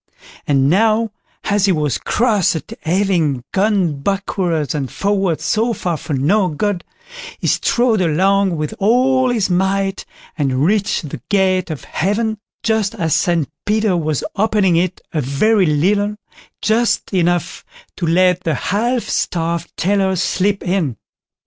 And now, as he was cross at having gone backwards and forwards so far for no good, he strode along with all his might, and reached the gate of Heaven just as St Peter was opening it a very little, just enough to let the half starved tailor slip in.